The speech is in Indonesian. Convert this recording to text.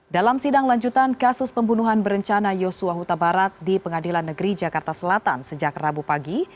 dalam sidang lanjutan kasus pembunuhan berencana yosua huta barat di pengadilan negeri jakarta selatan sejak rabu pagi